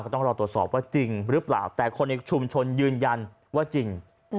ต้องรอตรวจสอบว่าจริงหรือเปล่าแต่คนในชุมชนยืนยันว่าจริง